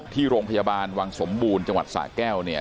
ที่โรงพยาบาลวังสมบูรณ์จังหวัดสะแก้วเนี่ย